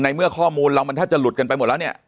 เมื่อข้อมูลเรามันแทบจะหลุดกันไปหมดแล้วเนี่ย